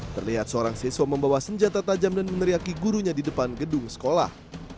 terlihat seorang siswa membawa senjata tajam dan meneriaki gurunya di depan gedung sekolah